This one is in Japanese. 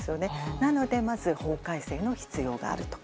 なのでまず法改正の必要があると。